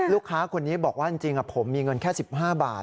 ลูกค้าคนนี้บอกว่าจริงผมมีเงินแค่๑๕บาท